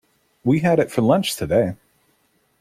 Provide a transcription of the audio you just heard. We had it for lunch today.